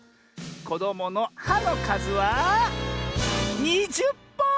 こどもの「は」のかずは２０ぽん！